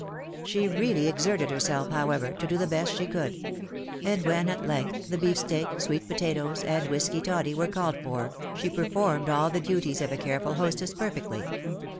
She really exerted herself, however, to do the best she could ; and when at length the beef steak, sweet potatoes, and whisky toddy were called for, she performed all the duties of a careful hostess perfectly.